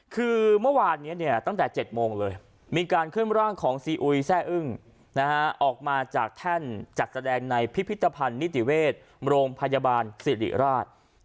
คือเมื่อวานนี้ตั้งแต่๗โมงเลยมีการเคลื่อนร่างของซีอุยแซ่อึ้งออกมาจากแท่นจัดแสดงในพิพิธภัณฑ์นิติเวชโรงพยาบาลสิริราช